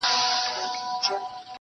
شراب ترخه ترخو ته دي، و موږ ته خواږه.